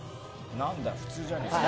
何だ、普通じゃねえか。